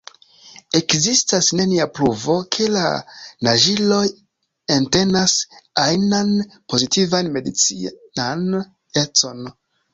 Ekzistas nenia pruvo, ke la naĝiloj entenas ajnan pozitivan medicinan econ.